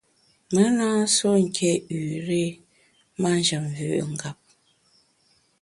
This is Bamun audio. Me na nsuo nké üré manjem mvü’ ngap.